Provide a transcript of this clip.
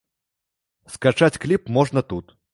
Скачаць кліп можна тут.